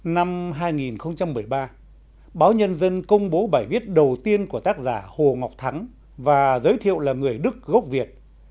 năm hai nghìn một mươi ba báo nhân dân công bố bài viết đầu tiên của tác giả hồ ngọc thắng và giới thiệu là người đức gốc việt